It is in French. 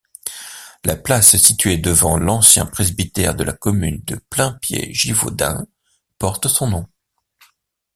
La place située devant l'ancien presbytère de la commune de Plaimpied-Givaudins porte son nom.